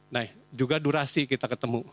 nah juga durasi kita ketemu